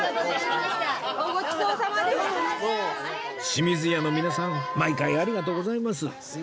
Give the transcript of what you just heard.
清水屋の皆さん毎回ありがとうございます